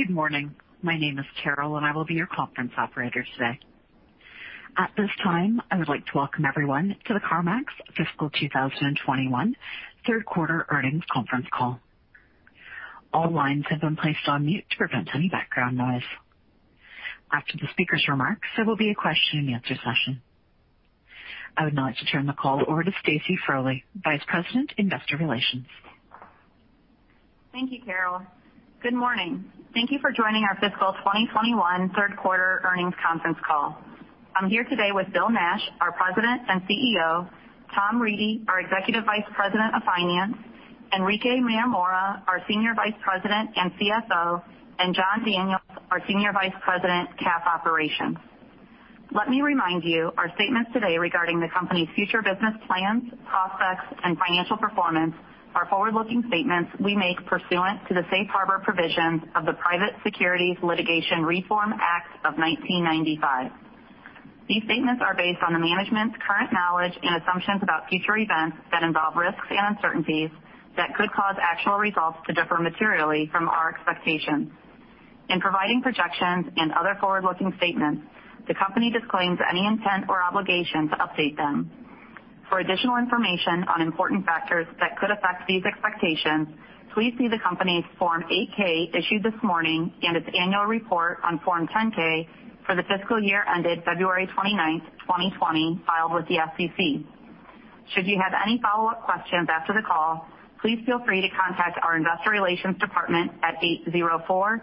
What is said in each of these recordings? Good morning. My name is Carol, and I will be your conference operator today. At this time, I would like to welcome everyone to the CarMax Fiscal 2021 Q3 Earnings Conference Call. All lines have been placed on mute to prevent any background noise. After the speaker's remarks, there will be a question-and-answer session. I would now like to turn the call over to Stacy Frole, Vice President, Investor Relations. Thank you, Carol. Good morning. Thank you for joining our fiscal 2021 Q3 Earnings Conference Call. I'm here today with Bill Nash, our President and CEO, Tom Reedy, our Executive Vice President, Finance, Enrique Mayor-Mora, our Senior Vice President and Chief Financial Officer, and Jon Daniels, our Senior Vice President, CAF Operations. Let me remind you, our statements today regarding the company's future business plans, prospects, and financial performance are forward-looking statements we make pursuant to the safe harbor provisions of the Private Securities Litigation Reform Act of 1995. These statements are based on the management's current knowledge and assumptions about future events that involve risks and uncertainties that could cause actual results to differ materially from our expectations. In providing projections and other forward-looking statements, the company disclaims any intent or obligation to update them. For additional information on important factors that could affect these expectations, please see the company's Form 8-K issued this morning and its annual report on Form 10-K for the fiscal year ended February 29th, 2020, filed with the SEC. Should you have any follow-up questions after the call, please feel free to contact our Investor Relations department at 804-747-0422,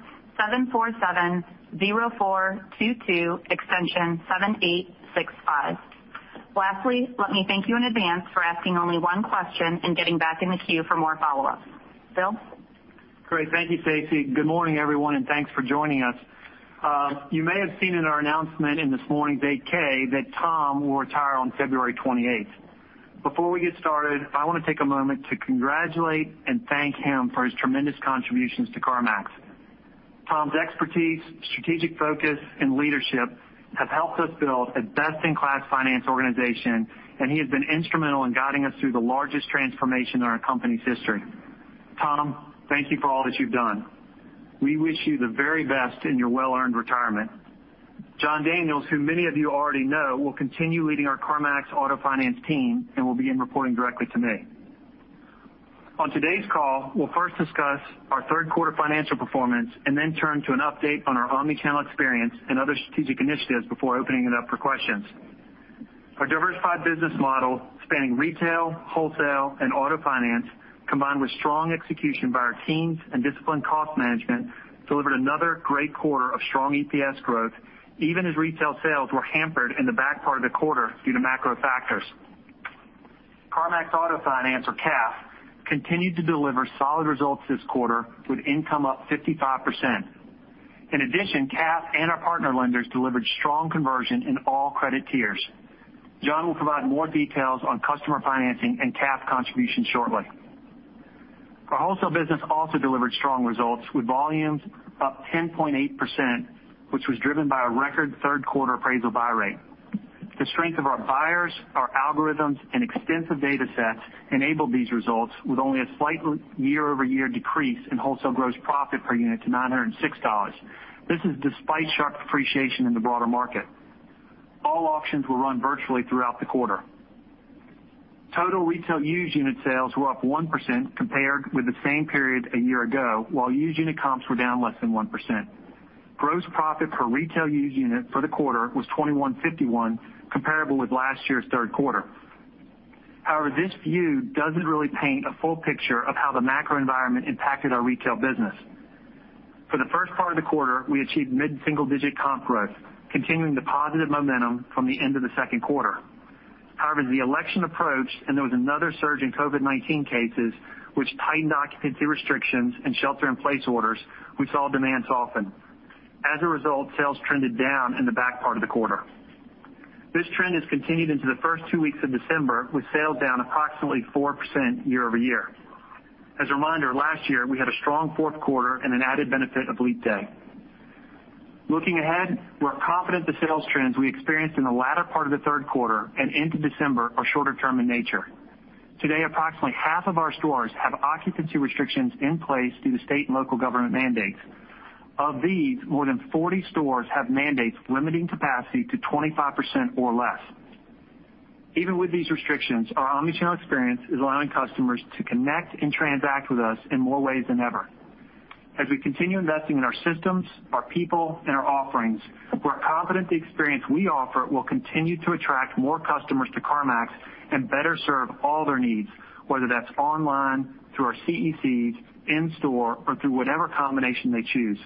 extension 7865. Lastly, let me thank you in advance for asking only one question and getting back in the queue for more follow-ups. Bill? Great. Thank you, Stacy. Good morning, everyone, and thanks for joining us. You may have seen in our announcement in this morning's 8-K that Tom will retire on February 28th. Before we get started, I want to take a moment to congratulate and thank him for his tremendous contributions to CarMax. Tom's expertise, strategic focus, and leadership have helped us build a best-in-class finance organization, and he has been instrumental in guiding us through the largest transformation in our company's history. Tom, thank you for all that you've done. We wish you the very best in your well-earned retirement. Jon Daniels, who many of you already know, will continue leading our CarMax Auto Finance team and will begin reporting directly to me. On today's call, we'll first discuss our Q3 financial performance and then turn to an update on our omnichannel experience and other strategic initiatives before opening it up for questions. Our diversified business model, spanning retail, wholesale, and auto finance, combined with strong execution by our teams and disciplined cost management, delivered another great quarter of strong EPS growth, even as retail sales were hampered in the back part of the quarter due to macro factors. CarMax Auto Finance, or CAF, continued to deliver solid results this quarter with income up 55%. CAF and our partner lenders delivered strong conversion in all credit tiers. Jon will provide more details on customer financing and CAF contribution shortly. Our wholesale business also delivered strong results with volumes up 10.8%, which was driven by a record Q3 appraisal buy rate. The strength of our buyers, our algorithms, and extensive data sets enabled these results with only a slight year-over-year decrease in wholesale gross profit per unit to $906. This is despite sharp appreciation in the broader market. All auctions were run virtually throughout the quarter. Total retail used unit sales were up 1% compared with the same period a year ago, while used unit comps were down less than 1%. Gross profit per retail used unit for the quarter was $2,151, comparable with last year's Q3. However, this view doesn't really paint a full picture of how the macro environment impacted our retail business. For the first part of the quarter, we achieved mid-single-digit comp growth, continuing the positive momentum from the end of the Q2. However, as the election approached and there was another surge in COVID-19 cases, which tightened occupancy restrictions and shelter-in-place orders, we saw demand soften. As a result, sales trended down in the back part of the quarter. This trend has continued into the first two weeks of December, with sales down approximately 4% year-over-year. As a reminder, last year, we had a strong Q4 and an added benefit of leap day. Looking ahead, we're confident the sales trends we experienced in the latter part of the Q3 and into December are shorter term in nature. Today, approximately half of our stores have occupancy restrictions in place due to state and local government mandates. Of these, more than 40 stores have mandates limiting capacity to 25% or less. Even with these restrictions, our omnichannel experience is allowing customers to connect and transact with us in more ways than ever. As we continue investing in our systems, our people, and our offerings, we're confident the experience we offer will continue to attract more customers to CarMax and better serve all their needs, whether that's online, through our CECs, in store, or through whatever combination they choose.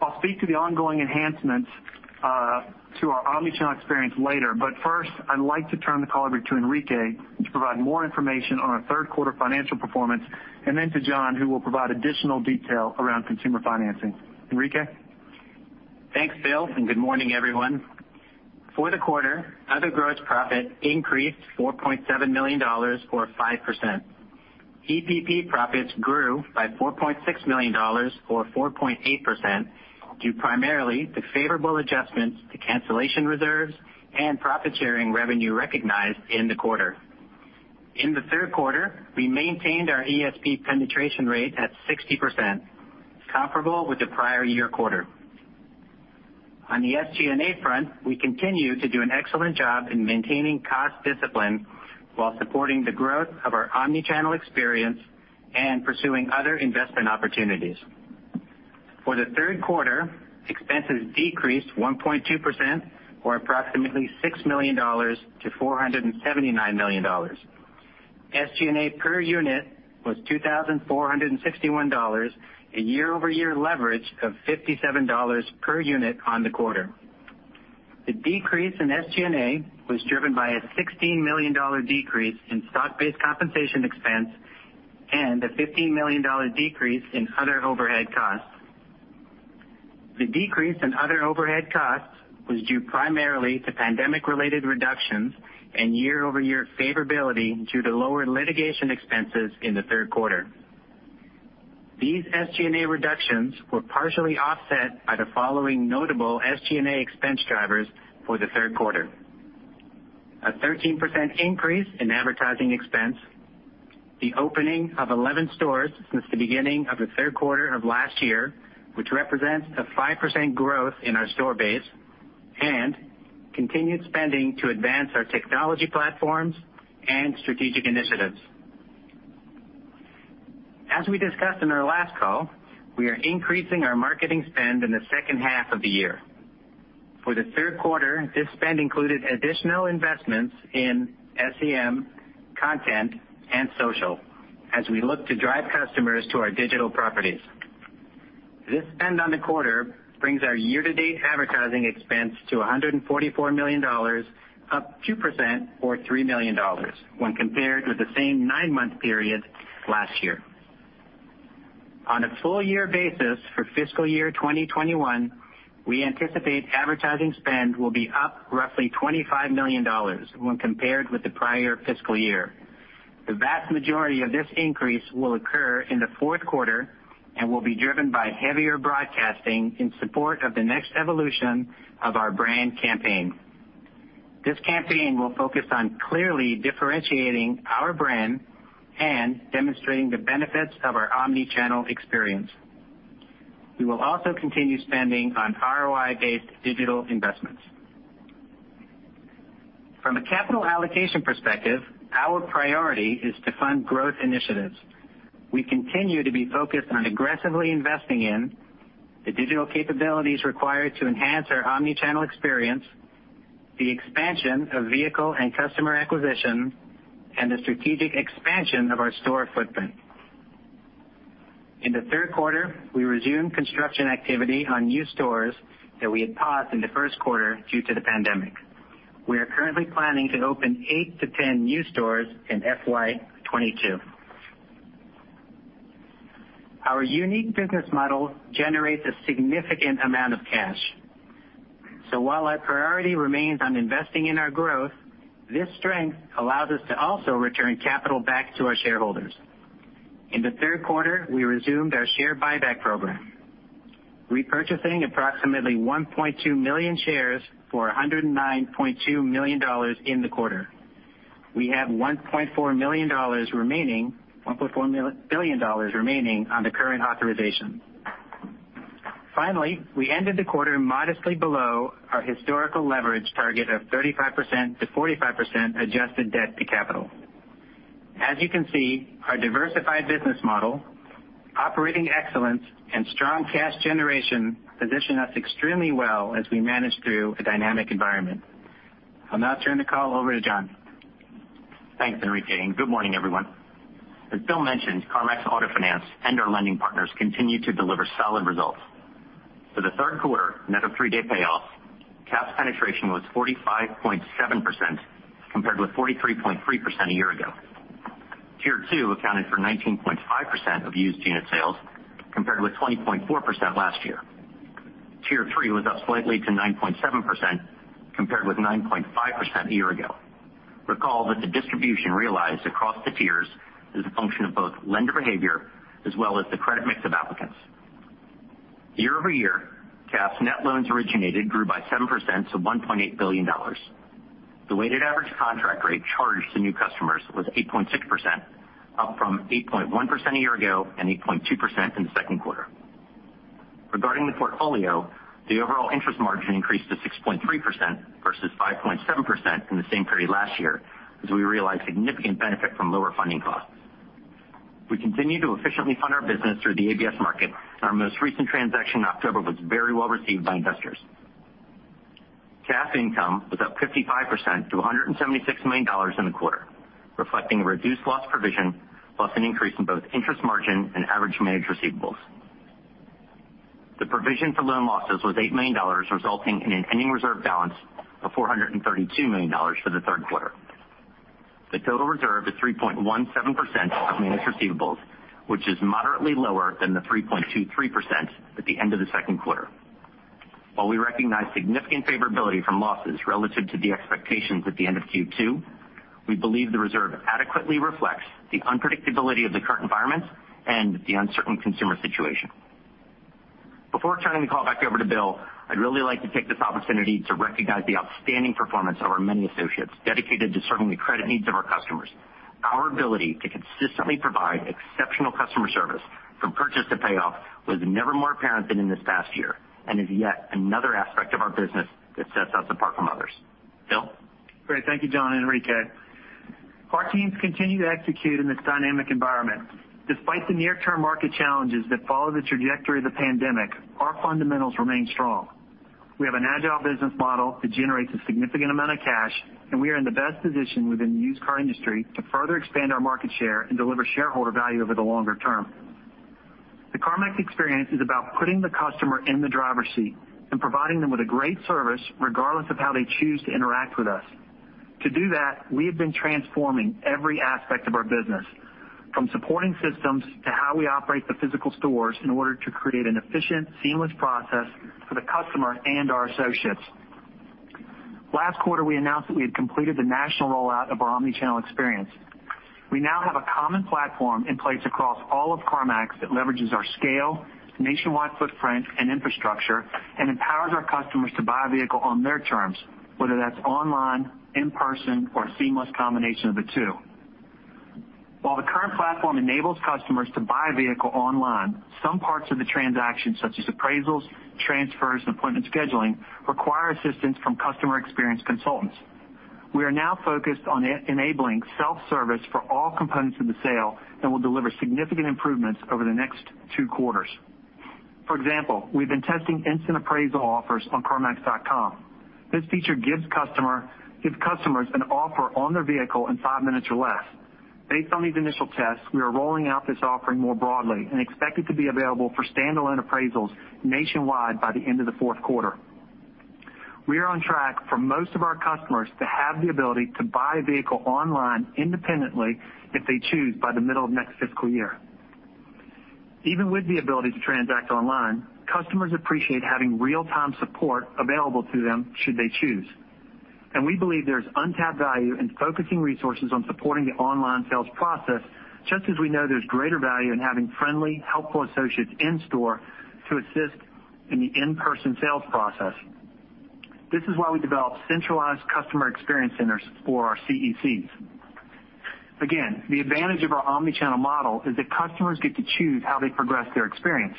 I'll speak to the ongoing enhancements to our omnichannel experience later, but first, I'd like to turn the call over to Enrique to provide more information on our Q3 financial performance, and then to Jon, who will provide additional detail around consumer financing. Enrique? Thanks, Bill, and good morning, everyone. For the quarter, other gross profit increased $4.7 million, or 5%. EPP profits grew by $4.6 million or 4.8% due primarily to favorable adjustments to cancellation reserves and profit-sharing revenue recognized in the quarter. In the Q3, we maintained our ESP penetration rate at 60%, comparable with the prior year quarter. On the SG&A front, we continue to do an excellent job in maintaining cost discipline while supporting the growth of our omnichannel experience and pursuing other investment opportunities. For the Q3, expenses decreased 1.2%, or approximately $6 million to $479 million. SG&A per unit was $2,461, a year-over-year leverage of $57 per unit on the quarter. The decrease in SG&A was driven by a $16 million decrease in stock-based compensation expense and a $15 million decrease in other overhead costs. The decrease in other overhead costs was due primarily to pandemic related reductions and year-over-year favorability due to lower litigation expenses in the Q3. These SG&A reductions were partially offset by the following notable SG&A expense drivers for the Q3. A 13% increase in advertising expense, the opening of 11 stores since the beginning of the Q3 of last year, which represents a 5% growth in our store base, and continued spending to advance our technology platforms and strategic initiatives. As we discussed on our last call, we are increasing our marketing spend in the second half of the year. For the Q3, this spend included additional investments in SEM, content, and social as we look to drive customers to our digital properties. This spend on the quarter brings our year-to-date advertising expense to $144 million, up 2% or $3 million when compared with the same nine-month period last year. On a full year basis for fiscal year 2021, we anticipate advertising spend will be up roughly $25 million when compared with the prior fiscal year. The vast majority of this increase will occur in the Q4 and will be driven by heavier broadcasting in support of the next evolution of our brand campaign. This campaign will focus on clearly differentiating our brand and demonstrating the benefits of our omnichannel experience. We will also continue spending on ROI based digital investments. From a capital allocation perspective, our priority is to fund growth initiatives. We continue to be focused on aggressively investing in the digital capabilities required to enhance our omnichannel experience, the expansion of vehicle and customer acquisition, and the strategic expansion of our store footprint. In the Q3, we resumed construction activity on new stores that we had paused in the Q1 due to the pandemic. We are currently planning to open eight to 10 new stores in FY 2022. Our unique business model generates a significant amount of cash. While our priority remains on investing in our growth, this strength allows us to also return capital back to our shareholders. In the Q3, we resumed our share buyback program, repurchasing approximately 1.2 million shares for $109.2 million in the quarter. We have $1.4 billion remaining on the current authorization. Finally, we ended the quarter modestly below our historical leverage target of 35%-45% adjusted debt to capital. As you can see, our diversified business model, operating excellence, and strong cash generation position us extremely well as we manage through a dynamic environment. I'll now turn the call over to Jon. Thanks, Enrique. Good morning, everyone. As Bill mentioned, CarMax Auto Finance and our lending partners continue to deliver solid results. For the Q3, net of three-day payoffs, CAF's penetration was 45.7% compared with 43.3% a year ago. Tier 2 accounted for 19.5% of used unit sales, compared with 20.4% last year. Tier 3 was up slightly to 9.7%, compared with 9.5% a year ago. Recall that the distribution realized across the tiers is a function of both lender behavior as well as the credit mix of applicants. Year-over-year, CAF's net loans originated grew by 7% to $1.8 billion. The weighted average contract rate charged to new customers was 8.6%, up from 8.1% a year ago and 8.2% in the Q2. Regarding the portfolio, the overall interest margin increased to 6.3% versus 5.7% in the same period last year, as we realized significant benefit from lower funding costs. We continue to efficiently fund our business through the ABS market. Our most recent transaction in October was very well received by investors. CAF income was up 55% to $176 million in the quarter, reflecting a reduced loss provision, plus an increase in both interest margin and average managed receivables. The provision for loan losses was $8 million, resulting in an ending reserve balance of $432 million for the Q3. The total reserve is 3.17% of managed receivables, which is moderately lower than the 3.23% at the end of the Q2. While we recognize significant favorability from losses relative to the expectations at the end of Q2, we believe the reserve adequately reflects the unpredictability of the current environment and the uncertain consumer situation. Before turning the call back over to Bill, I'd really like to take this opportunity to recognize the outstanding performance of our many associates dedicated to serving the credit needs of our customers. Our ability to consistently provide exceptional customer service from purchase to payoff was never more apparent than in this past year and is yet another aspect of our business that sets us apart from others. Bill? Great. Thank you, Jon and Enrique. Our teams continue to execute in this dynamic environment. Despite the near-term market challenges that follow the trajectory of the pandemic, our fundamentals remain strong. We have an agile business model that generates a significant amount of cash, and we are in the best position within the used car industry to further expand our market share and deliver shareholder value over the longer term. The CarMax experience is about putting the customer in the driver's seat and providing them with a great service, regardless of how they choose to interact with us. To do that, we have been transforming every aspect of our business, from supporting systems to how we operate the physical stores in order to create an efficient, seamless process for the customer and our associates. Last quarter, we announced that we had completed the national rollout of our omnichannel experience. We now have a common platform in place across all of CarMax that leverages our scale, nationwide footprint, and infrastructure and empowers our customers to buy a vehicle on their terms, whether that's online, in person, or a seamless combination of the two. While the current platform enables customers to buy a vehicle online, some parts of the transaction, such as appraisals, transfers, and appointment scheduling, require assistance from customer experience consultants. We are now focused on enabling self-service for all components of the sale and will deliver significant improvements over the next two quarters. For example, we've been testing instant appraisal offers on carmax.com. This feature gives customers an offer on their vehicle in five minutes or less. Based on these initial tests, we are rolling out this offering more broadly and expect it to be available for standalone appraisals nationwide by the end of the Q4. We are on track for most of our customers to have the ability to buy a vehicle online independently if they choose by the middle of next fiscal year. Even with the ability to transact online, customers appreciate having real-time support available to them should they choose, and we believe there's untapped value in focusing resources on supporting the online sales process, just as we know there's greater value in having friendly, helpful associates in store to assist in the in-person sales process. This is why we developed centralized Customer Experience Centers or our CECs. Again, the advantage of our omnichannel model is that customers get to choose how they progress their experience.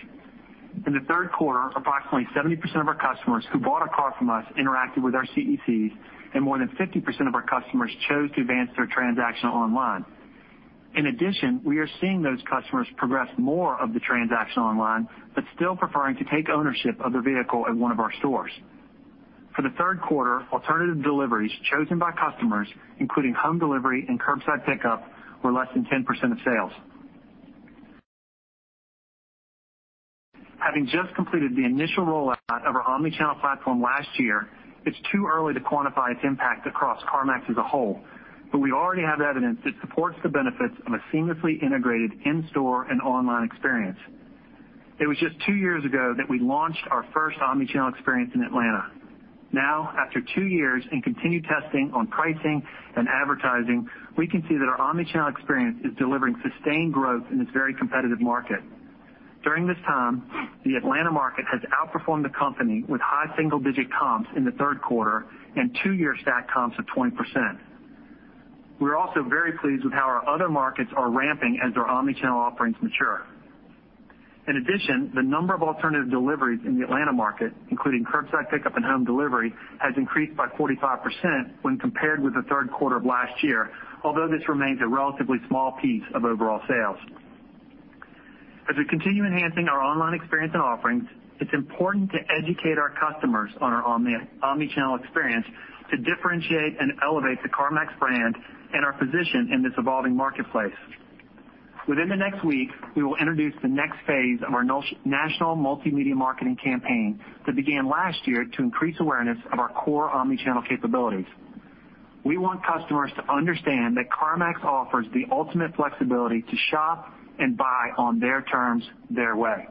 In the Q3, approximately 70% of our customers who bought a car from us interacted with our CECs, and more than 50% of our customers chose to advance their transaction online. In addition, we are seeing those customers progress more of the transaction online, but still preferring to take ownership of their vehicle at one of our stores. For the Q3, alternative deliveries chosen by customers, including home delivery and curbside pickup, were less than 10% of sales. Having just completed the initial rollout of our omnichannel platform last year, it's too early to quantify its impact across CarMax as a whole, but we already have evidence that supports the benefits of a seamlessly integrated in-store and online experience. It was just two years ago that we launched our first omnichannel experience in Atlanta. Now, after two years in continued testing on pricing and advertising, we can see that our omnichannel experience is delivering sustained growth in this very competitive market. During this time, the Atlanta market has outperformed the company with high single-digit comps in the Q3 and two-year stack comps of 20%. We're also very pleased with how our other markets are ramping as their omnichannel offerings mature. In addition, the number of alternative deliveries in the Atlanta market, including curbside pickup and home delivery, has increased by 45% when compared with the Q3 of last year, although this remains a relatively small piece of overall sales. As we continue enhancing our online experience and offerings, it's important to educate our customers on our omnichannel experience to differentiate and elevate the CarMax brand and our position in this evolving marketplace. Within the next week, we will introduce the next phase of our national multimedia marketing campaign that began last year to increase awareness of our core omnichannel capabilities. We want customers to understand that CarMax offers the ultimate flexibility to shop and buy on their terms, their way.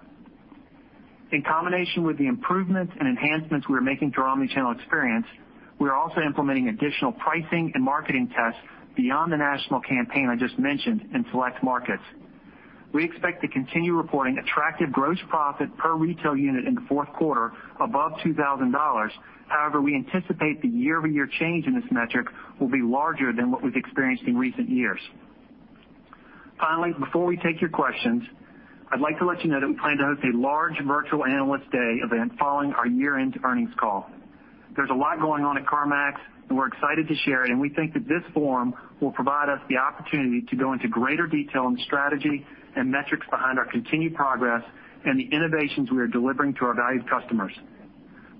In combination with the improvements and enhancements we are making to our omnichannel experience, we are also implementing additional pricing and marketing tests beyond the national campaign I just mentioned in select markets. We expect to continue reporting attractive gross profit per retail unit in the Q4 above $2,000. However, we anticipate the year-over-year change in this metric will be larger than what we've experienced in recent years. Finally, before we take your questions, I'd like to let you know that we plan to host a large Virtual Analyst Day event following our year-end earnings call. There's a lot going on at CarMax, and we're excited to share it, and we think that this forum will provide us the opportunity to go into greater detail on the strategy and metrics behind our continued progress and the innovations we are delivering to our valued customers.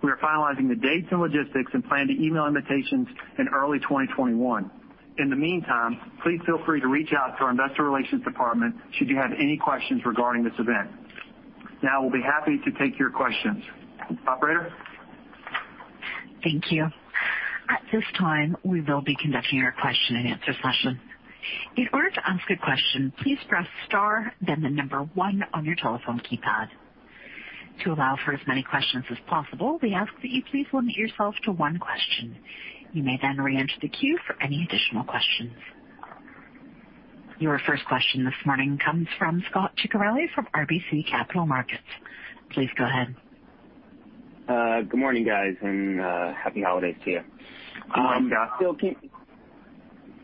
We are finalizing the dates and logistics and plan to email invitations in early 2021. In the meantime, please feel free to reach out to our Investor Relations department should you have any questions regarding this event. Now we'll be happy to take your questions. Operator? Thank you. At this time, we will be conducting our question-and-answer session. In order to ask a question, please press *1 on your telephone keypad. To allow for as many questions as possible, we ask that you please limit yourself to one question. You may then reenter the queue for any additional questions. Your first question this morning comes from Scot Ciccarelli from RBC Capital Markets. Please go ahead. Good morning, guys, and happy holidays to you. Good morning, Scot.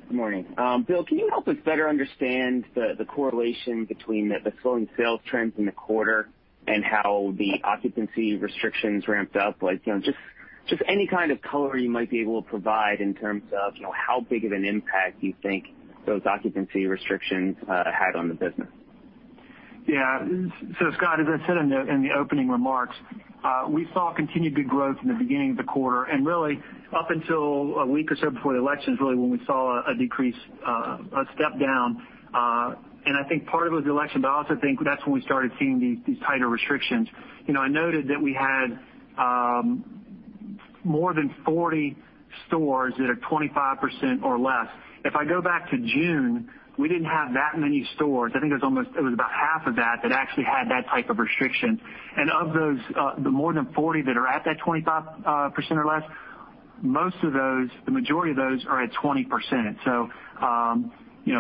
Good morning. Bill, can you help us better understand the correlation between the slowing sales trends in the quarter and how the occupancy restrictions ramped up? Just any kind of color you might be able to provide in terms of how big of an impact you think those occupancy restrictions had on the business? Yeah. Scot, as I said in the opening remarks, we saw continued good growth in the beginning of the quarter, and really up until a week or so before the election is really when we saw a decrease, a step down. I think part of it was the election, but I also think that's when we started seeing these tighter restrictions. I noted that we had more than 40 stores that are 25% or less. If I go back to June, we didn't have that many stores. I think it was about half of that that actually had that type of restriction, and of those, the more than 40 that are at that 25% or less, the majority of those are at 20%.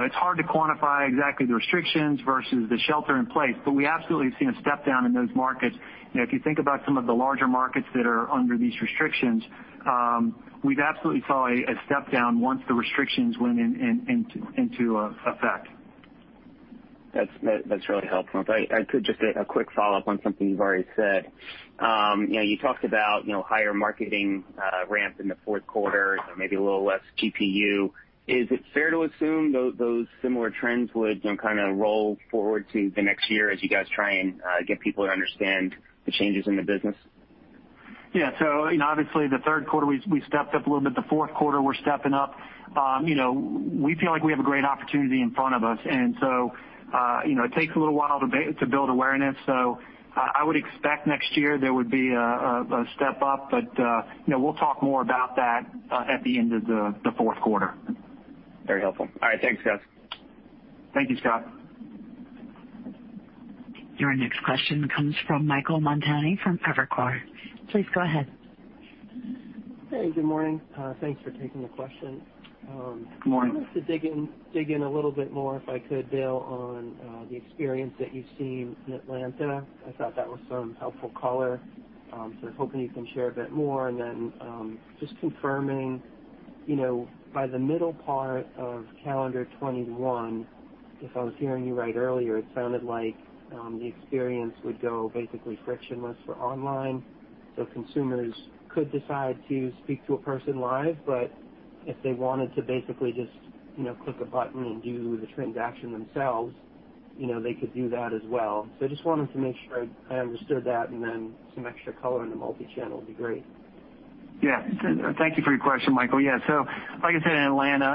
It's hard to quantify exactly the restrictions versus the shelter in place. We absolutely have seen a step down in those markets. If you think about some of the larger markets that are under these restrictions, we've absolutely saw a step down once the restrictions went into effect. That's really helpful. If I could, just a quick follow-up on something you've already said. You talked about higher marketing ramp in the Q4, maybe a little less GPU. Is it fair to assume those similar trends would kind of roll forward to the next year as you guys try and get people to understand the changes in the business? Yeah. Obviously, the Q3, we stepped up a little bit. The Q4, we're stepping up. We feel like we have a great opportunity in front of us, it takes a little while to build awareness. I would expect next year there would be a step up. We'll talk more about that at the end of the Q4. Very helpful. All right. Thanks, guys. Thank you, Scot. Your next question comes from Michael Montani from Evercore. Please go ahead. Hey, good morning. Thanks for taking the question. Good morning. I'd like to dig in a little bit more, if I could, Bill, on the experience that you've seen in Atlanta. I thought that was some helpful color. I was hoping you can share a bit more, and then just confirming by the middle part of calendar 2021, if I was hearing you right earlier, it sounded like the experience would go basically frictionless for online. Consumers could decide to speak to a person live, but if they wanted to basically just click a button and do the transaction themselves, they could do that as well. I just wanted to make sure I understood that, and then some extra color on the multichannel would be great. Thank you for your question, Michael. Like I said, in Atlanta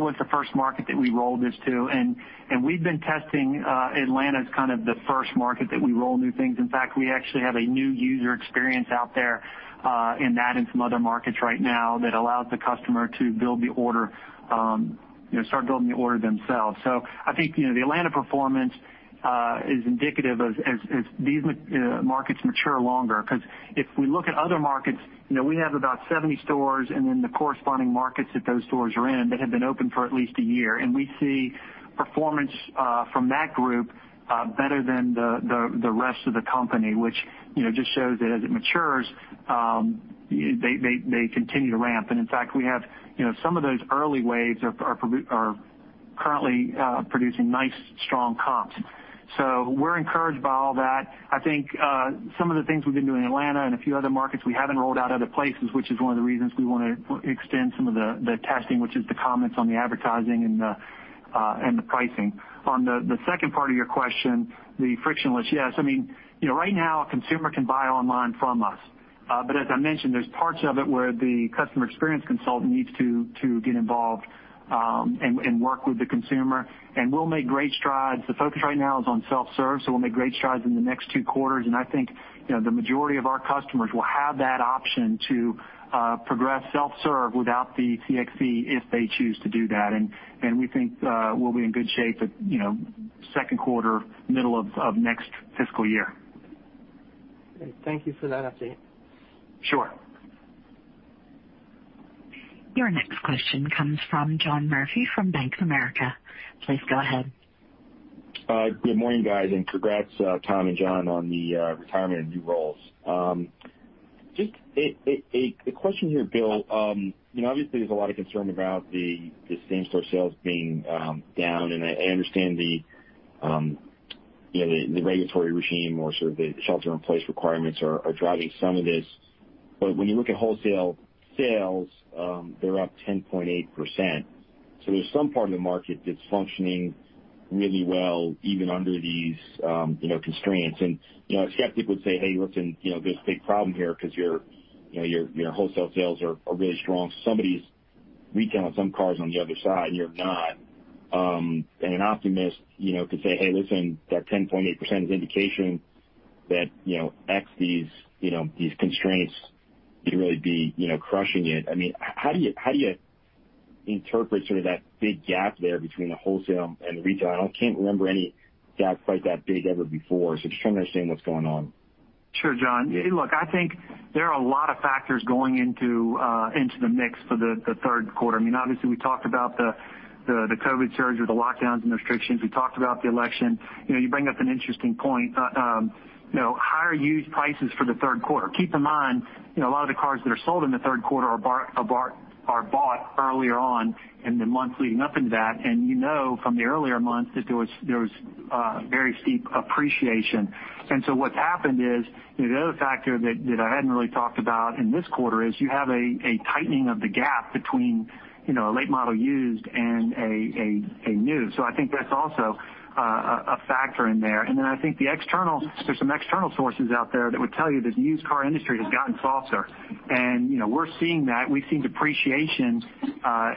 was the first market that we rolled this to, and we've been testing Atlanta as kind of the first market that we roll new things. In fact, we actually have a new user experience out there in that and some other markets right now that allows the customer to start building the order themselves. I think, the Atlanta performance is indicative as these markets mature longer because if we look at other markets, we have about 70 stores and then the corresponding markets that those stores are in that have been open for at least a year, and we see performance from that group better than the rest of the company, which just shows that as it matures, they continue to ramp. In fact, some of those early waves are currently producing nice, strong comps. We're encouraged by all that. I think some of the things we've been doing in Atlanta and a few other markets, we haven't rolled out other places, which is one of the reasons we want to extend some of the testing, which is the comments on the advertising and the pricing. On the second part of your question, the frictionless. Yes. Right now, a consumer can buy online from us. As I mentioned, there's parts of it where the customer experience consultant needs to get involved and work with the consumer. We'll make great strides. The focus right now is on self-serve, so we'll make great strides in the next two quarters, and I think, the majority of our customers will have that option to progress self-serve without the CEC if they choose to do that. We think we'll be in good shape at Q2, middle of next fiscal year. Great. Thank you for that update. Sure. Your next question comes from John Murphy from Bank of America. Please go ahead. Good morning, guys, and congrats, Tom and Jon, on the retirement and new roles. Just a question here, Bill. Obviously, there's a lot of concern about the same-store sales being down, I understand the regulatory regime or sort of the shelter-in-place requirements are driving some of this. When you look at wholesale sales, they're up 10.8%. There's some part of the market that's functioning really well even under these constraints. A skeptic would say, "Hey, listen, there's a big problem here because your wholesale sales are really strong. Somebody's retailing some cars on the other side, and you're not." An optimist could say, "Hey, listen, that 10.8% is indication that X, these constraints, you'd really be crushing it." How do you interpret sort of that big gap there between the wholesale and the retail? I can't remember any gap quite that big ever before. Just trying to understand what's going on. Sure, John. Look, I think there are a lot of factors going into the mix for the Q3. Obviously, we talked about the COVID surge or the lockdowns and restrictions. We talked about the election. You bring up an interesting point, higher used prices for the Q3. Keep in mind, a lot of the cars that are sold in the Q3 are bought earlier on in the month leading up into that. You know from the earlier months that there was very steep appreciation. What's happened is, the other factor that I hadn't really talked about in this quarter is you have a tightening of the gap between a late model used and a new. I think that's also a factor in there. I think there's some external sources out there that would tell you that the used car industry has gotten softer, and we're seeing that. We've seen depreciation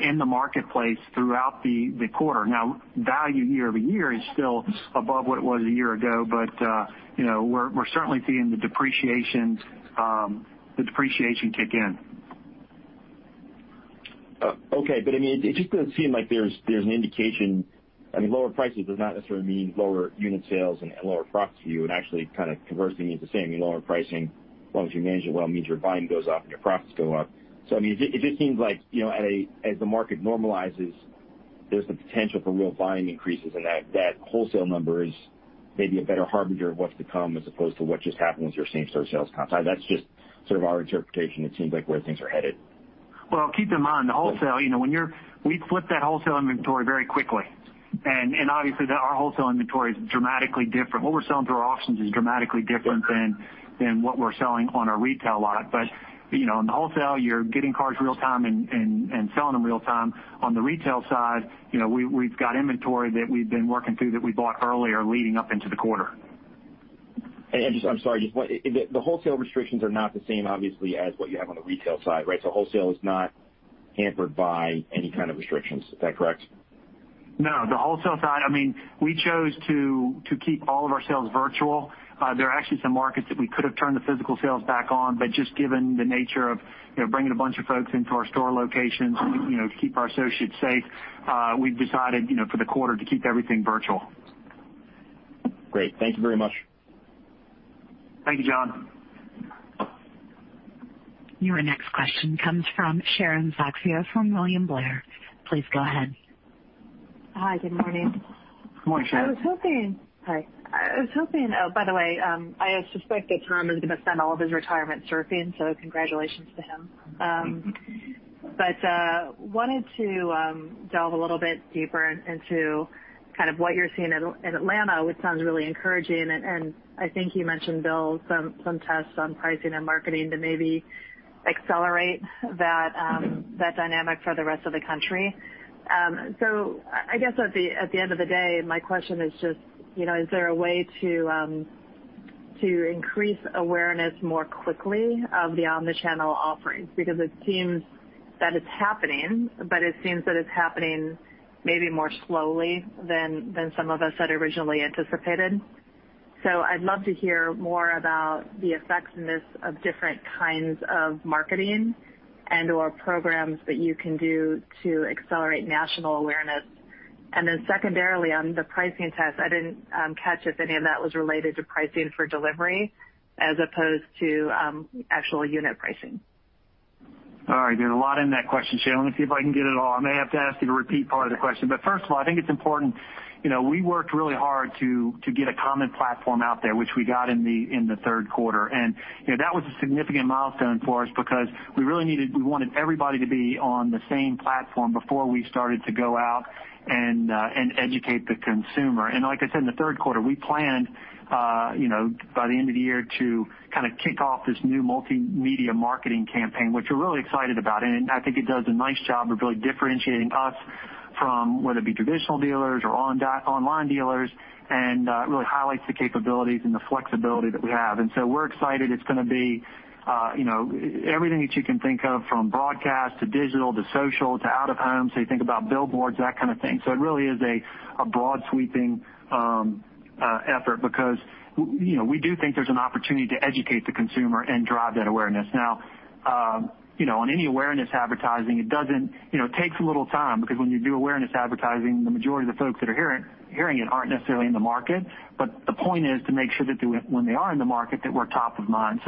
in the marketplace throughout the quarter. Now, value year-over-year is still above what it was a year ago, but we're certainly seeing the depreciation kick in. Okay. It just doesn't seem like there's an indication. Lower prices does not necessarily mean lower unit sales and lower profits for you, and actually conversely means the same. Lower pricing, as long as you manage it well, means your volume goes up and your profits go up. It just seems like as the market normalizes, there's the potential for real volume increases, and that wholesale number is maybe a better harbinger of what's to come as opposed to what just happened with your same-store sales comp. That's just sort of our interpretation. It seems like where things are headed. Well, keep in mind, the wholesale, we flip that wholesale inventory very quickly, and obviously, our wholesale inventory is dramatically different. What we're selling through our auctions is dramatically different than what we're selling on our retail lot. In the wholesale, you're getting cars real time and selling them real time. On the retail side, we've got inventory that we've been working through that we bought earlier leading up into the quarter. I'm sorry. The wholesale restrictions are not the same, obviously, as what you have on the retail side, right? Wholesale is not hampered by any kind of restrictions. Is that correct? No, the wholesale side, we chose to keep all of our sales virtual. There are actually some markets that we could have turned the physical sales back on. Just given the nature of bringing a bunch of folks into our store locations to keep our associates safe, we've decided for the quarter to keep everything virtual. Great. Thank you very much. Thank you, John. Your next question comes from Sharon Zackfia from William Blair. Please go ahead. Hi. Good morning. Good morning, Sharon. Hi. By the way, I suspect that Tom is going to spend all of his retirement surfing, congratulations to him. Wanted to delve a little bit deeper into what you're seeing in Atlanta, which sounds really encouraging, and I think you mentioned, Bill, some tests on pricing and marketing to maybe accelerate that dynamic for the rest of the country. I guess at the end of the day, my question is just, is there a way to increase awareness more quickly of the omnichannel offerings? It seems that it's happening, it seems that it's happening maybe more slowly than some of us had originally anticipated. I'd love to hear more about the effectiveness of different kinds of marketing and/or programs that you can do to accelerate national awareness. Secondarily, on the pricing test, I didn't catch if any of that was related to pricing for delivery as opposed to actual unit pricing. All right. There's a lot in that question, Sharon. Let me see if I can get it all. I may have to ask you to repeat part of the question. First of all, I think it's important, we worked really hard to get a common platform out there, which we got in the Q3. That was a significant milestone for us because we wanted everybody to be on the same platform before we started to go out and educate the consumer. Like I said, in the Q3, we planned, by the end of the year to kind of kick off this new multimedia marketing campaign, which we're really excited about. I think it does a nice job of really differentiating us from whether it be traditional dealers or online dealers, and really highlights the capabilities and the flexibility that we have. We're excited it's going to be everything that you can think of, from broadcast to digital to social to out of home. You think about billboards, that kind of thing. It really is a broad, sweeping effort because we do think there's an opportunity to educate the consumer and drive that awareness. On any awareness advertising, it takes a little time because when you do awareness advertising, the majority of the folks that are hearing it aren't necessarily in the market. The point is to make sure that when they are in the market, that we're top of mind.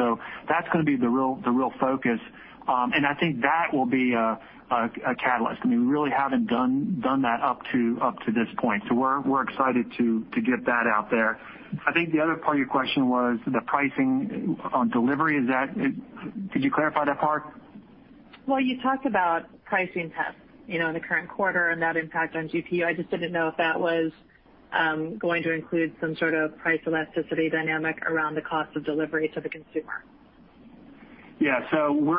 That's going to be the real focus. I think that will be a catalyst. We really haven't done that up to this point. We're excited to get that out there. I think the other part of your question was the pricing on delivery. Could you clarify that part? Well, you talked about pricing tests in the current quarter and that impact on GPU. I just didn't know if that was going to include some sort of price elasticity dynamic around the cost of delivery to the consumer. Yeah. When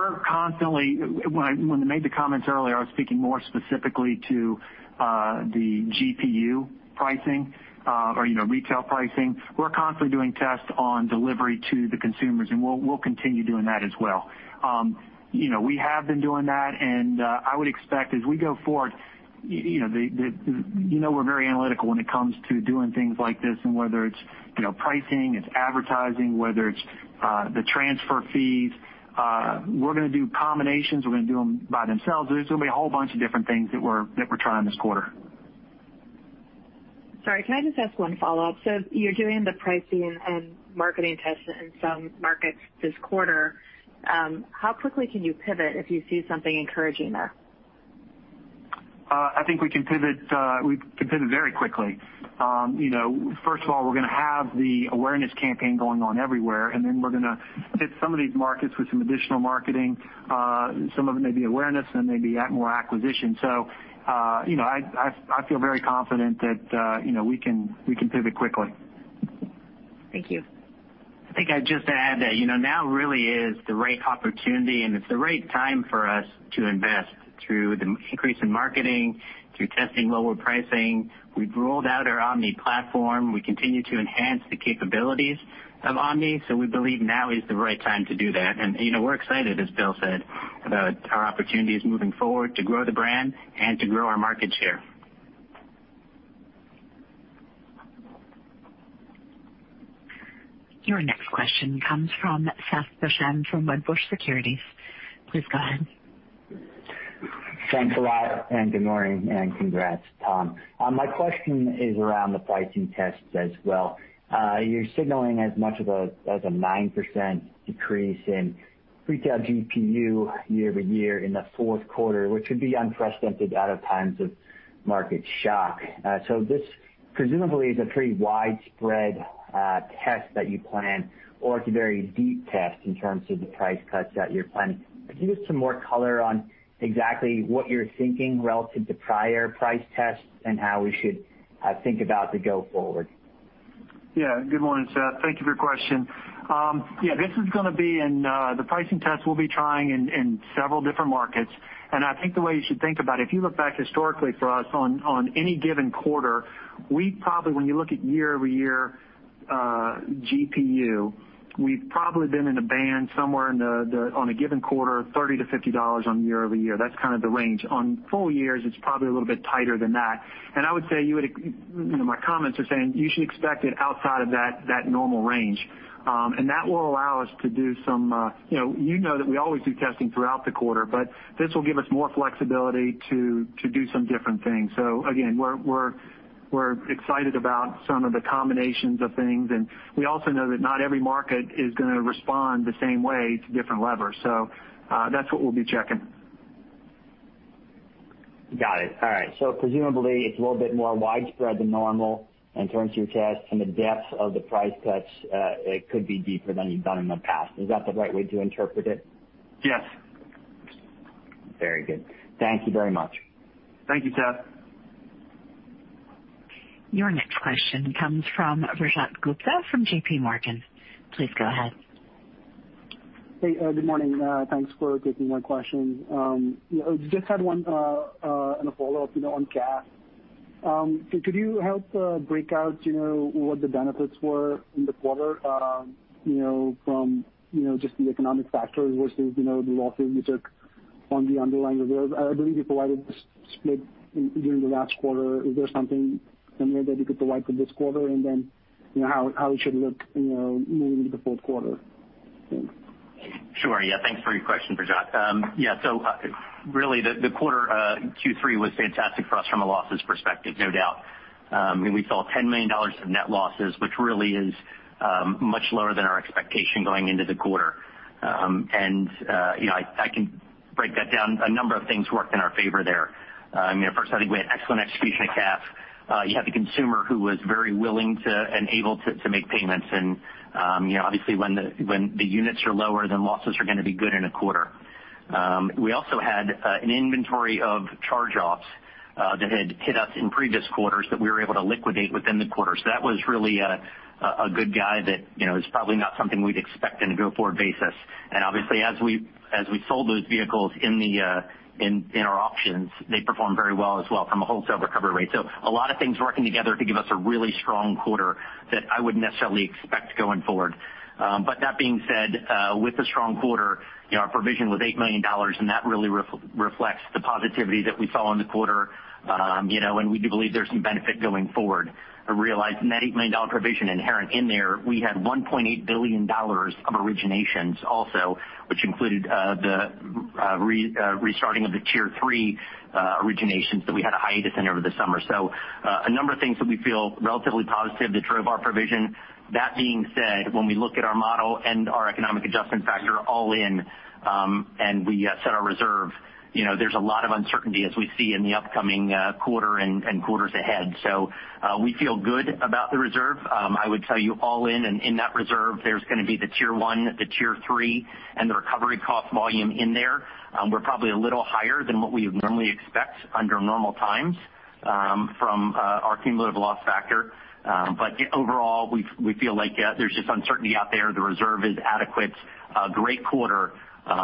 I made the comments earlier, I was speaking more specifically to the GPU pricing or retail pricing. We're constantly doing tests on delivery to the consumers, and we'll continue doing that as well. We have been doing that, and I would expect as we go forward, you know we're very analytical when it comes to doing things like this and whether it's pricing, it's advertising, whether it's the transfer fees. We're going to do combinations. We're going to do them by themselves. There's going to be a whole bunch of different things that we're trying this quarter. Sorry, can I just ask one follow-up? You're doing the pricing and marketing tests in some markets this quarter. How quickly can you pivot if you see something encouraging there? I think we can pivot very quickly. First of all, we're going to have the awareness campaign going on everywhere, and then we're going to hit some of these markets with some additional marketing. Some of it may be awareness and may be more acquisition. I feel very confident that we can pivot quickly. Thank you. I think I'd just add that now really is the right opportunity, and it's the right time for us to invest through the increase in marketing, through testing lower pricing. We've rolled out our omni platform. We continue to enhance the capabilities of omni. We believe now is the right time to do that. We're excited, as Bill said, about our opportunities moving forward to grow the brand and to grow our market share. Your next question comes from Seth Basham from Wedbush Securities. Please go ahead. Thanks a lot, and good morning, and congrats, Tom. My question is around the pricing tests as well. You're signaling as much of a 9% decrease in retail GPU year-over-year in the Q4, which would be unprecedented out of times of market shock. This presumably is a pretty widespread test that you plan, or it's a very deep test in terms of the price cuts that you're planning. Could you give some more color on exactly what you're thinking relative to prior price tests and how we should think about the go forward? Yeah. Good morning, Seth. Thank you for your question. Yeah, the pricing test we'll be trying in several different markets, and I think the way you should think about it, if you look back historically for us on any given quarter, when you look at year-over-year GPU, we've probably been in a band somewhere on a given quarter, $30-$50 on year-over-year. That's kind of the range. On full years, it's probably a little bit tighter than that. I would say, my comments are saying you should expect it outside of that normal range. That will allow us to do some, you know, that we always do testing throughout the quarter, but this will give us more flexibility to do some different things. Again, we're excited about some of the combinations of things, and we also know that not every market is going to respond the same way to different levers. That's what we'll be checking. Got it. All right. Presumably it's a little bit more widespread than normal in terms of your tests and the depth of the price cuts, it could be deeper than you've done in the past. Is that the right way to interpret it? Yes. Very good. Thank you very much. Thank you, Seth. Your next question comes from Rajat Gupta from JPMorgan. Please go ahead. Hey, good morning. Thanks for taking my question. Just had one and a follow-up on CAF. Could you help break out what the benefits were in the quarter from just the economic factors versus the losses you took on the underlying reserve? I believe you provided the split during the last quarter. Is there something similar that you could provide for this quarter? How it should look moving into the Q4? Thanks. Sure. Yeah. Thanks for your question, Rajat. Really the quarter, Q3, was fantastic for us from a losses perspective, no doubt. We saw $10 million of net losses, which really is much lower than our expectation going into the quarter. I can break that down. A number of things worked in our favor there. First, I think we had excellent execution at CAF. You had the consumer who was very willing to and able to make payments obviously when the unemployment rates are lower, losses are going to be good in a quarter. We also had an inventory of charge-offs that had hit us in previous quarters that we were able to liquidate within the quarter. That was really a good quarter that is probably not something we'd expect in a go-forward basis. Obviously, as we sold those vehicles in our auctions, they performed very well as well from a wholesale recovery rate. A lot of things working together to give us a really strong quarter that I wouldn't necessarily expect going forward. That being said, with the strong quarter, our provision was $8 million, and that really reflects the positivity that we saw in the quarter. We do believe there's some benefit going forward to realize net $8 million provision inherent in there. We had $1.8 billion of originations also, which included the restarting of the Tier 3 originations that we had a hiatus in over the summer. A number of things that we feel relatively positive that drove our provision. That being said, when we look at our model and our economic adjustment factor all in, and we set our reserve, there's a lot of uncertainty as we see in the upcoming quarter and quarters ahead. We feel good about the reserve. I would tell you all in that reserve, there's going to be the Tier 1, the Tier 3, and the recovery curves in there. We're probably a little higher than what we would normally expect under normal times from our cumulative loss factor. Overall, we feel like there's just uncertainty out there. The reserve is adequate. A great quarter,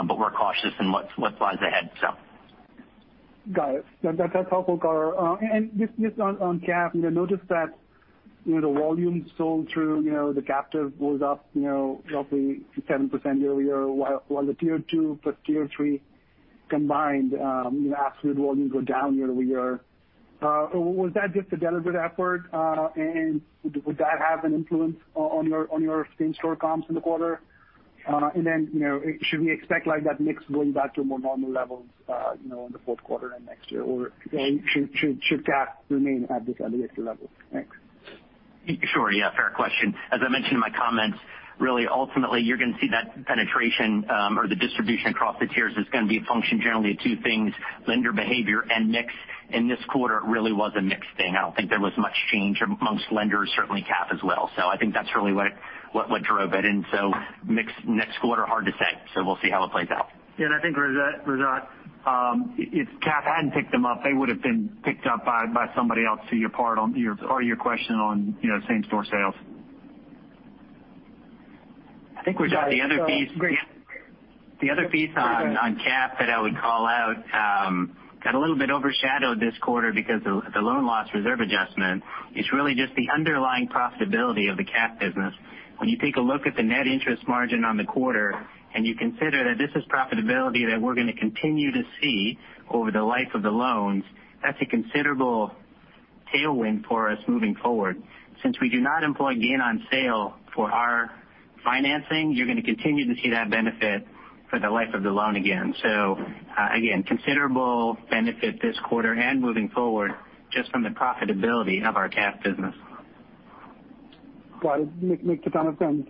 but we're cautious in what lies ahead. Got it. That's helpful. Just on CAF, I noticed that the volume sold through the captive was up roughly 7% year-over-year, while the Tier 2 plus Tier 3 combined absolute volume go down year-over-year. Was that just a deliberate effort? Would that have an influence on your same-store comps in the quarter? Then, should we expect that mix going back to a more normal level in the Q4 and next year, or should CAF remain at this elevated level? Thanks. Sure. Yeah, fair question. As I mentioned in my comments, really ultimately, you're going to see that penetration or the distribution across the tiers is going to be a function generally of two things, lender behavior and mix. In this quarter, it really was a mix thing. I don't think there was much change amongst lenders, certainly CAF as well. I think that's really what drove it. Mix next quarter, hard to say. We'll see how it plays out. Yeah, I think, Rajat, if CAF hadn't picked them up, they would've been picked up by somebody else to your part on your question on same-store sales. The other piece on CAF that I would call out got a little bit overshadowed this quarter because of the loan loss reserve adjustment. It's really just the underlying profitability of the CAF business. When you take a look at the net interest margin on the quarter, and you consider that this is profitability that we're going to continue to see over the life of the loans, that's a considerable tailwind for us moving forward. Since we do not employ gain on sale for our financing, you're going to continue to see that benefit for the life of the loan again. Again, considerable benefit this quarter and moving forward, just from the profitability of our CAF business. Got it. Makes a ton of sense.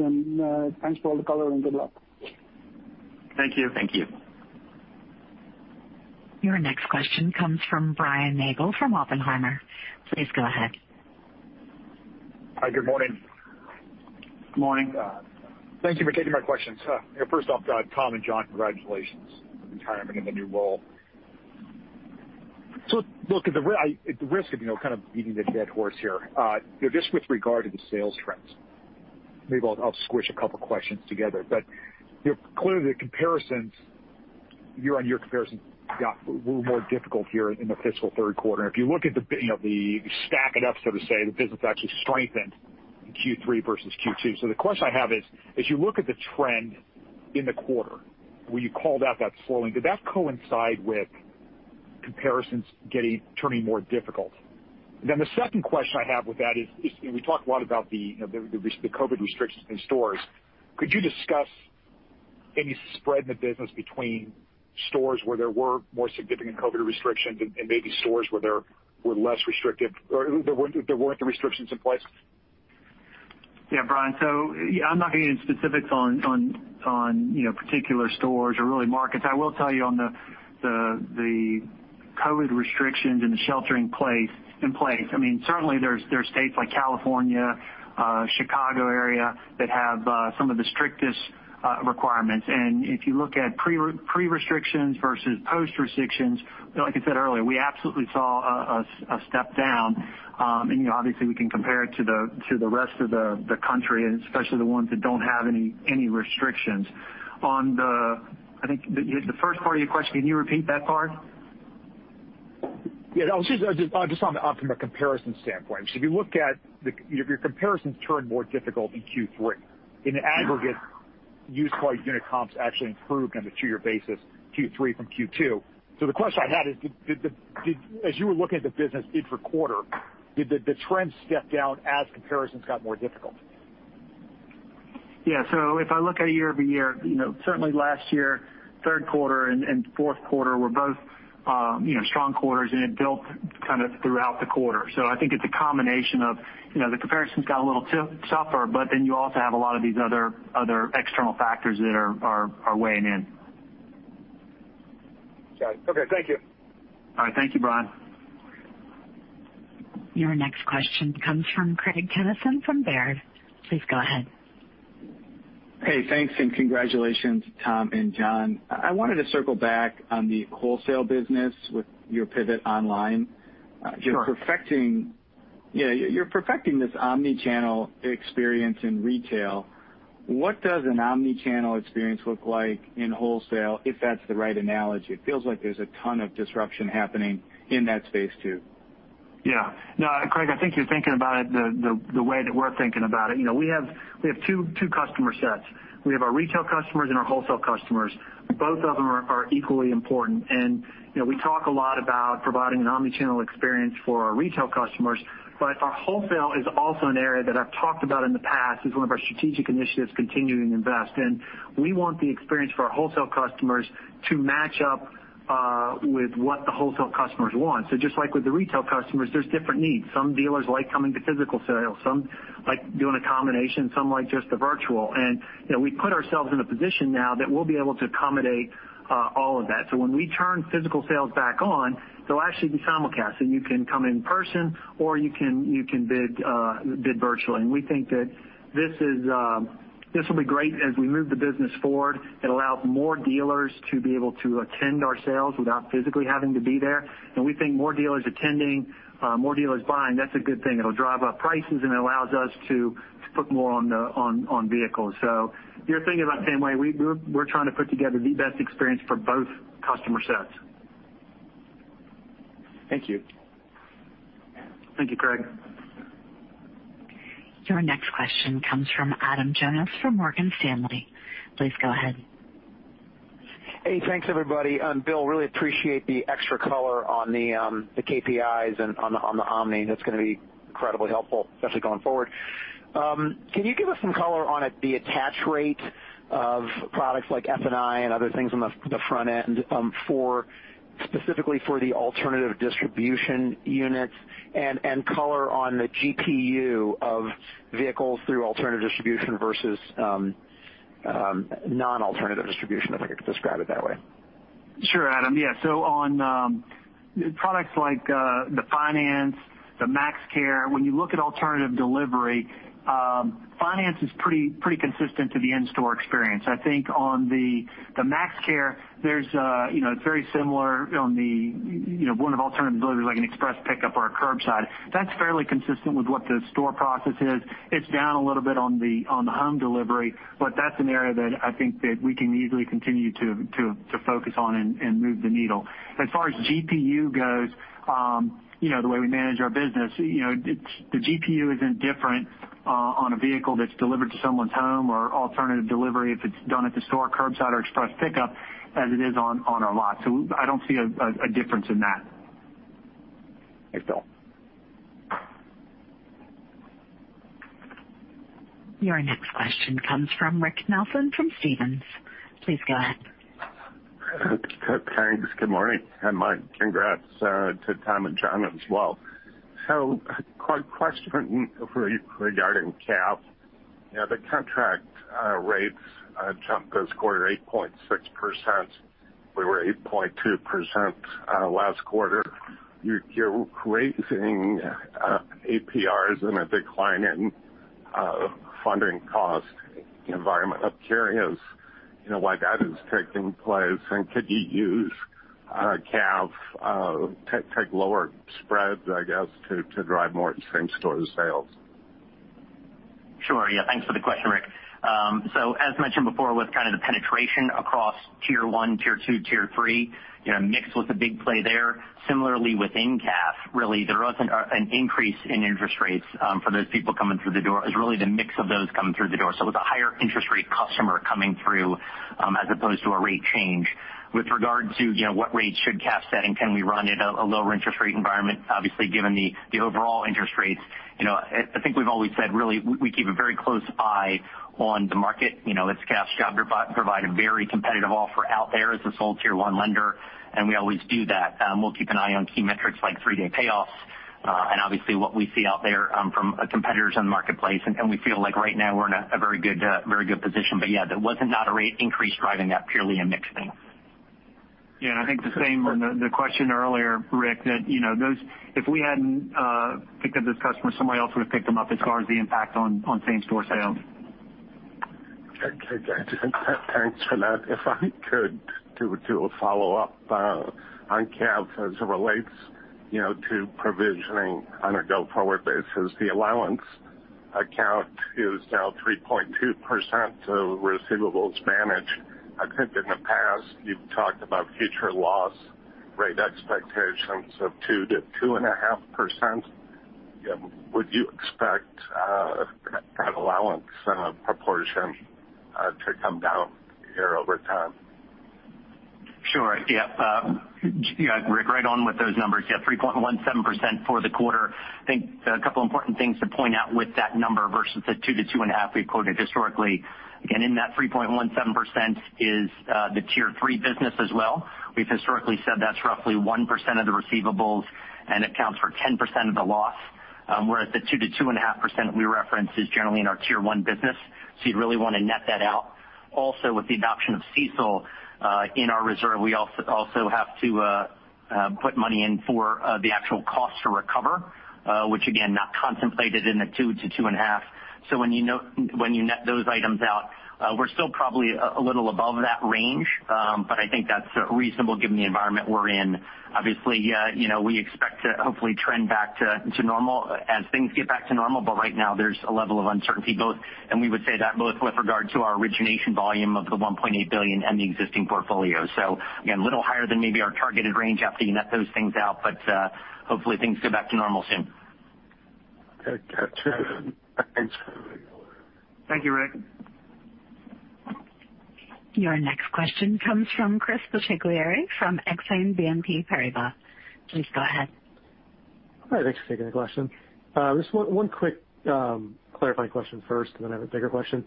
Thanks for all the color and good luck. Thank you. Thank you. Your next question comes from Brian Nagel from Oppenheimer. Please go ahead. Hi. Good morning. Good morning. Thank you for taking my questions. First off, Tom and Jon, congratulations on retirement and the new role. Look, at the risk of kind of beating the dead horse here, just with regard to the sales trends, maybe I'll squish a couple of questions together. Clearly, the comparisons year-on-year comparisons got a little more difficult here in the fiscal Q3. If you look at the stack it up, so to say, the business actually strengthened in Q3 versus Q2. The question I have is, as you look at the trend in the quarter, where you called out that slowing, did that coincide with comparisons turning more difficult? The second question I have with that is, we talked a lot about the COVID restrictions in stores. Could you discuss any spread in the business between stores where there were more significant COVID restrictions and maybe stores where there were less restrictive or there weren't the restrictions in place? Yeah, Brian. I'm not getting into specifics on particular stores or really markets. I will tell you on the COVID restrictions and the sheltering in place. Certainly there's states like California, Chicago area that have some of the strictest requirements. If you look at pre-restrictions versus post restrictions, like I said earlier, we absolutely saw a step down. Obviously we can compare it to the rest of the country, and especially the ones that don't have any restrictions. On the, I think the first part of your question, can you repeat that part? Yeah. Just from a comparison standpoint, if you look at your comparisons turned more difficult in Q3. In aggregate, used car unit comps actually improved on a two-year basis, Q3 from Q2. The question I had is, as you were looking at the business intra-quarter, did the trend step down as comparisons got more difficult? Yeah. If I look at year-over-year, certainly last year, Q3 and Q4 were both strong quarters, and it built kind of throughout the quarter. I think it's a combination of the comparisons got a little tougher, you also have a lot of these other external factors that are weighing in. Got it. Okay. Thank you. All right. Thank you, Brian. Your next question comes from Craig Kennison from Baird. Please go ahead. Hey. Thanks, and congratulations, Tom and Jon. I wanted to circle back on the wholesale business with your pivot online. Sure. You're perfecting this omnichannel experience in retail. What does an omnichannel experience look like in wholesale, if that's the right analogy? It feels like there's a ton of disruption happening in that space, too. Yeah. No, Craig, I think you're thinking about it the way that we're thinking about it. We have two customer sets. We have our retail customers and our wholesale customers. Both of them are equally important. We talk a lot about providing an omnichannel experience for our retail customers. Our wholesale is also an area that I've talked about in the past as one of our strategic initiatives to continue to invest in. We want the experience for our wholesale customers to match up with what the wholesale customers want. Just like with the retail customers, there's different needs. Some dealers like coming to physical sales, some like doing a combination, some like just the virtual. We put ourselves in a position now that we'll be able to accommodate all of that. When we turn physical sales back on, they'll actually be simulcast, so you can come in person or you can bid virtually. We think that this will be great as we move the business forward. It allows more dealers to be able to attend our sales without physically having to be there. We think more dealers attending, more dealers buying, that's a good thing. It'll drive up prices, and it allows us to put more on vehicles. You're thinking about the same way. We're trying to put together the best experience for both customer sets. Thank you. Thank you, Craig. Your next question comes from Adam Jonas from Morgan Stanley. Please go ahead. Hey, thanks everybody. Bill, really appreciate the extra color on the KPIs and on the Omni. That's going to be incredibly helpful, especially going forward. Can you give us some color on the attach rate of products like F&I and other things on the front end, specifically for the alternative distribution units, and color on the GPU of vehicles through alternative distribution versus non-alternative distribution, if I could describe it that way? Sure, Adam. Yeah. On products like the finance, the MaxCare, when you look at alternative delivery, finance is pretty consistent to the in-store experience. I think on the MaxCare, it's very similar on one of alternative deliveries, like an express pickup or a curbside. That's fairly consistent with what the store process is. It's down a little bit on the home delivery, but that's an area that I think that we can easily continue to focus on and move the needle. As far as GPU goes, the way we manage our business, the GPU isn't different on a vehicle that's delivered to someone's home or alternative delivery if it's done at the store curbside or express pickup as it is on our lot. I don't see a difference in that. Thanks, Bill. Your next question comes from Rick Nelson from Stephens. Please go ahead. Thanks. Good morning, and my congrats to Tom and Jon as well. Quick question regarding CAF. The contract rates jumped this quarter 8.6%. We were 8.2% last quarter. You're raising APRs and a decline in funding cost environment. I'm curious why that is taking place, and could you use CAF, take lower spreads, I guess, to drive more same-store sales? Sure. Yeah. Thanks for the question, Rick. As mentioned before, with kind of the penetration across Tier 1, Tier 2, Tier 3, mix was a big play there. Similarly, within CAF, really, there wasn't an increase in interest rates for those people coming through the door. It's really the mix of those coming through the door. It was a higher interest rate customer coming through as opposed to a rate change. With regard to what rates should CAF set and can we run in a lower interest rate environment? Obviously, given the overall interest rates, I think we've always said really we keep a very close eye on the market. It's CAF's job to provide a very competitive offer out there as a sole Tier 1 lender, and we always do that. We'll keep an eye on key metrics like three-day payoffs, and obviously what we see out there from competitors in the marketplace, and we feel like right now we're in a very good position. Yeah, that was not a rate increase driving that, purely a mix thing. Yeah, I think the same on the question earlier, Rick, that if we hadn't picked up this customer, somebody else would have picked them up as far as the impact on same-store sales. Okay. Thanks for that. If I could do a follow-up on CAF as it relates to provisioning on a go-forward basis. The allowance account is now 3.2% of receivables managed. I think in the past you've talked about future loss rate expectations of 2%-2.5%. Would you expect that allowance proportion to come down here over time? Sure. Yep. You got it, Rick, right on with those numbers. You have 3.17% for the quarter. I think a couple important things to point out with that number versus the 2%-2.5% we've quoted historically. Again, in that 3.17% is the Tier 3 business as well. We've historically said that's roughly 1% of the receivables, and it counts for 10% of the loss. Whereas the 2%-2.5% we reference is generally in our Tier 1 business. You'd really want to net that out. Also, with the adoption of CECL in our reserve, we also have to put money in for the actual cost to recover, which again, not contemplated in the 2%-2.5%. When you net those items out, we're still probably a little above that range, but I think that's reasonable given the environment we're in. Obviously, we expect to hopefully trend back to normal as things get back to normal, but right now there's a level of uncertainty, and we would say that both with regard to our origination volume of the $1.8 billion and the existing portfolio. Again, a little higher than maybe our targeted range after you net those things out, but hopefully things go back to normal soon. Okay. Thanks. Thank you, Rick. Your next question comes from Chris Bottiglieri from Exane BNP Paribas. Please go ahead. Hi, thanks for taking the question. Just one quick clarifying question first, then I have a bigger question.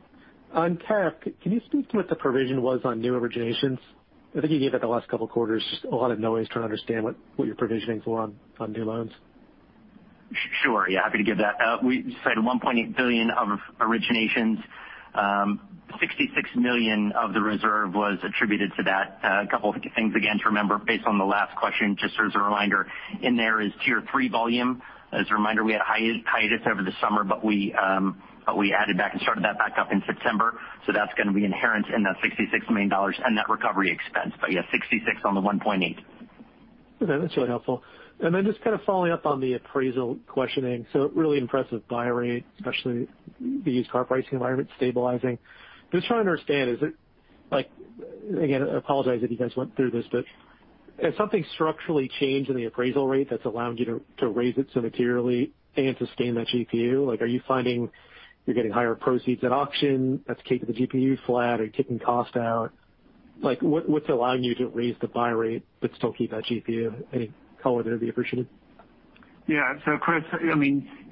On CAF, can you speak to what the provision was on new originations? I think you gave it the last couple of quarters. Just a lot of noise trying to understand what your provisionings were on new loans. Sure. Yeah. Happy to give that. We said $1.8 billion of originations. $66 million of the reserve was attributed to that. A couple of things again to remember based on the last question, just as a reminder, in there is Tier 3 volume. As a reminder, we had hiatus over the summer, but we added back and started that back up in September. That's going to be inherent in that $66 million and that recovery expense. Yeah, $66 on the $1.8. Okay. That's really helpful. Then just kind of following up on the appraisal questioning. Really impressive buy rate, especially the used car pricing environment stabilizing. Just trying to understand, again, I apologize if you guys went through this. Has something structurally changed in the appraisal rate that's allowing you to raise it so materially and sustain that GPU? Are you finding you're getting higher proceeds at auction that's keeping the GPU flat or keeping cost out? What's allowing you to raise the buy rate but still keep that GPU at any color there would be appreciated? Chris,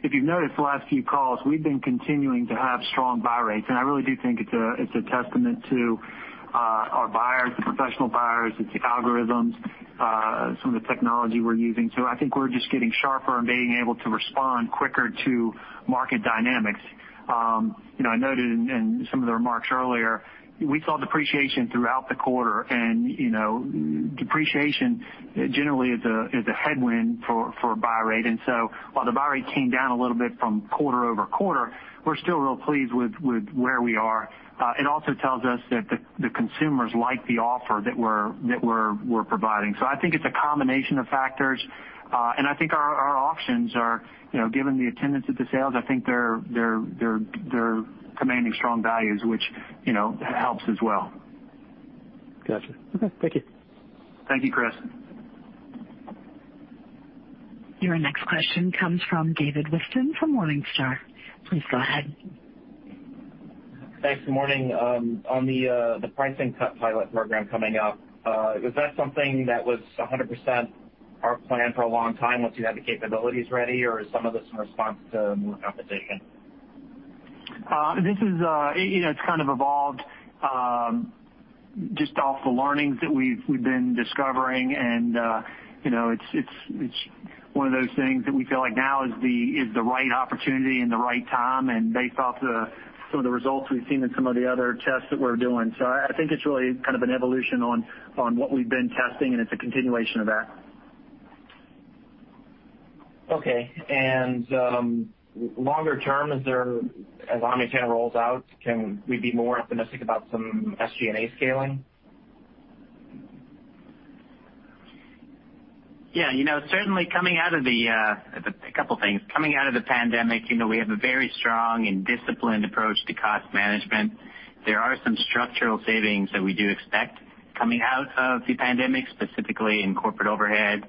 if you've noticed the last few calls, we've been continuing to have strong buy rates, and I really do think it's a testament to our buyers, the professional buyers, it's the algorithms, some of the technology we're using. I think we're just getting sharper and being able to respond quicker to market dynamics. I noted in some of the remarks earlier, we saw depreciation throughout the quarter, and depreciation generally is a headwind for buy rate. While the buy rate came down a little bit from quarter-over-quarter, we're still real pleased with where we are. It also tells us that the consumers like the offer that we're providing. I think it's a combination of factors, and I think our auctions are giving the attendance at the sales. I think they're commanding strong values, which helps as well. Got you. Okay. Thank you. Thank you, Chris. Your next question comes from David Whiston from Morningstar. Please go ahead. Thanks. Good morning. On the pricing cut pilot program coming up, was that something that was 100% our plan for a long time once you had the capabilities ready, or is some of this in response to more competition? It's kind of evolved, just off the learnings that we've been discovering and it's one of those things that we feel like now is the right opportunity and the right time, and based off some of the results we've seen in some of the other tests that we're doing. I think it's really kind of an evolution on what we've been testing, and it's a continuation of that. Okay. Longer term, as omnichannel rolls out, can we be more optimistic about some SG&A scaling? Yeah. A couple of things. Coming out of the pandemic, we have a very strong and disciplined approach to cost management. There are some structural savings that we do expect coming out of the pandemic, specifically in corporate overhead,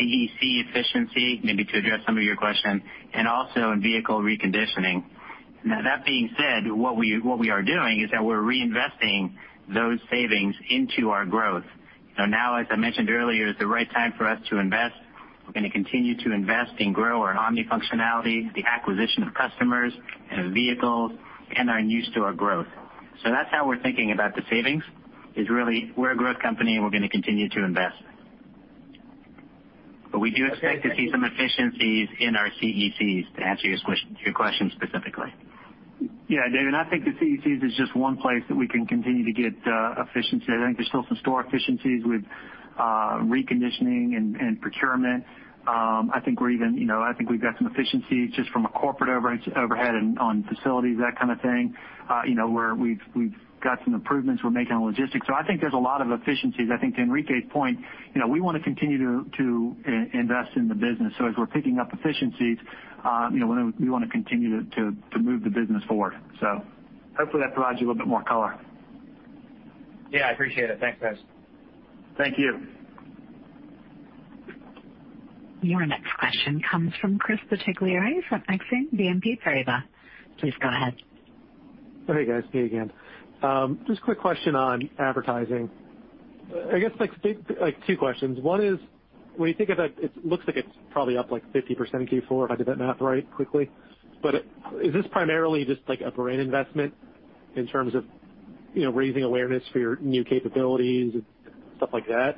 CEC efficiency, maybe to address some of your question, and also in vehicle reconditioning. Now, that being said, what we are doing is that we're reinvesting those savings into our growth. As I mentioned earlier, it's the right time for us to invest. We're going to continue to invest and grow our omni functionality, the acquisition of customers and of vehicles, and our growth. That's how we're thinking about the savings, is really we're a growth company, and we're going to continue to invest. We do expect to see some efficiencies in our CECs to answer your question specifically. Yeah, David, I think the CEC is just one place that we can continue to get efficiency. I think there's still some store efficiencies with reconditioning and procurement. I think we've got some efficiencies just from a corporate overhead and on facilities, that kind of thing, where we've got some improvements we're making on logistics. I think there's a lot of efficiencies. I think to Enrique's point, we want to continue to invest in the business. As we're picking up efficiencies, we want to continue to move the business forward. Hopefully that provides you a little bit more color. Yeah, I appreciate it. Thanks, guys. Thank you. Your next question comes from Chris Bottiglieri from Exane BNP Paribas. Please go ahead. Hey, guys. Me again. Just a quick question on advertising. I guess two questions. One is, when you think of that, it looks like it's probably up 50% in Q4, if I did that math right quickly. Is this primarily just a brand investment in terms of raising awareness for your new capabilities and stuff like that?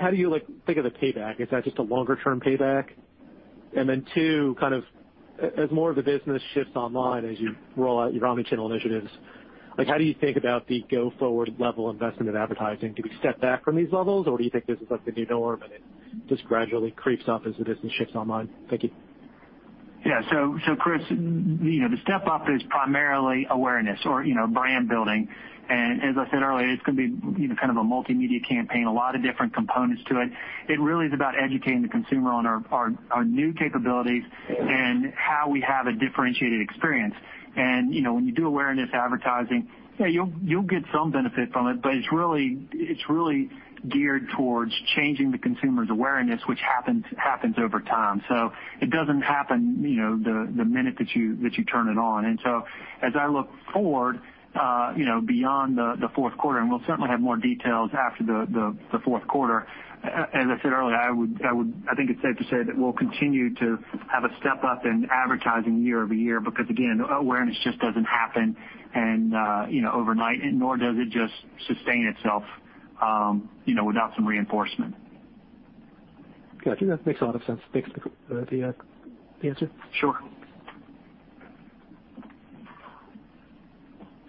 How do you think of the payback? Is that just a longer-term payback? Two, as more of the business shifts online, as you roll out your omnichannel initiatives, how do you think about the go-forward level investment in advertising? Do we step back from these levels, or do you think this is the new norm and it just gradually creeps up as the business shifts online? Thank you. Yeah. Chris, the step-up is primarily awareness or brand building. As I said earlier, it's going to be kind of a multimedia campaign, a lot of different components to it. It really is about educating the consumer on our new capabilities and how we have a differentiated experience. When you do awareness advertising, you'll get some benefit from it, but it's really geared towards changing the consumer's awareness, which happens over time. It doesn't happen the minute that you turn it on. As I look forward, beyond the Q4, and we'll certainly have more details after the Q4, as I said earlier, I think it's safe to say that we'll continue to have a step-up in advertising year-over-year because, again, awareness just doesn't happen overnight, nor does it just sustain itself without some reinforcement. Got you. That makes a lot of sense. Thanks for the answer. Sure.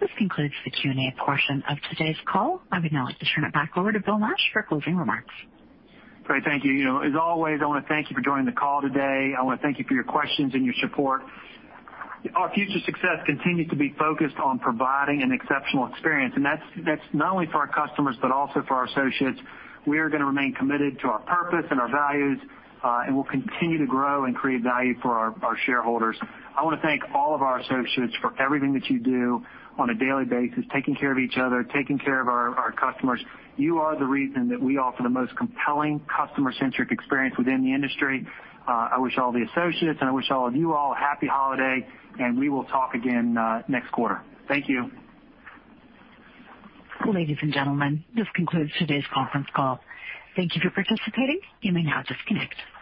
This concludes the Q&A portion of today's call. I would now like to turn it back over to Bill Nash for closing remarks. Great. Thank you. As always, I want to thank you for joining the call today. I want to thank you for your questions and your support. Our future success continues to be focused on providing an exceptional experience, and that's not only for our customers but also for our associates. We are going to remain committed to our purpose and our values, and we'll continue to grow and create value for our shareholders. I want to thank all of our associates for everything that you do on a daily basis, taking care of each other, taking care of our customers. You are the reason that we offer the most compelling customer-centric experience within the industry. I wish all the associates and I wish all of you all a happy holiday, and we will talk again next quarter. Thank you. Ladies and gentlemen, this concludes today's conference call. Thank you for participating. You may now disconnect.